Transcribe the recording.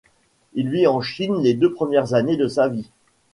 Il vit en Chine les deux premières années de sa vie.